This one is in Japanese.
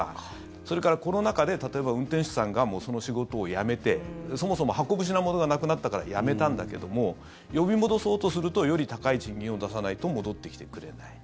それから、コロナ禍で例えば運転手さんがもうその仕事を辞めてそもそも運ぶ品物がなくなかったら辞めたんだけども呼び戻そうとするとより高い賃金を出さないと戻ってきてくれない。